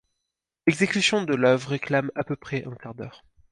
L'exécution de l'œuvre réclame à peu près un quart d'heure.